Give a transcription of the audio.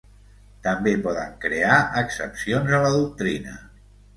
També poden crear excepcions a la doctrina.